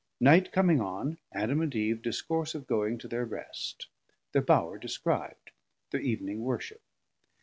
Night coming on, Adam and Eve discourse of going to thir rest: thir Bower describ'd; thir Evening worship.